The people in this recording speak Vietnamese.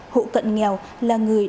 hộ cận nghèo là người